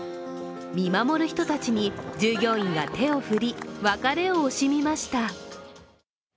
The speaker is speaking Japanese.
見守る人たちに従業員が手を振り別れを惜しみました。